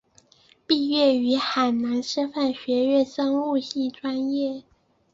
毕业于海南师范学院生物系专业。